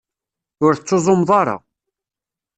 Ur tettuẓumeḍ ara.